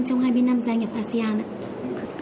trong hai mươi năm gia nhập asean ạ